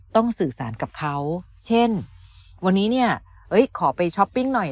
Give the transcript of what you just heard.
สื่อสารกับเขาเช่นวันนี้เนี่ยเอ้ยขอไปช้อปปิ้งหน่อย